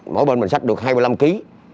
mỗi bên mình xách được hai mươi năm kg